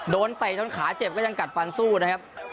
โดนไตจนขาเจ็บก็ยังกัดปานสู้นะครับ